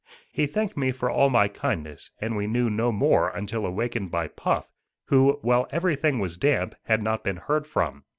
He thanked me for all my kindness, and we knew no more until awakened by Puff, who, while everything was damp, had not been heard from.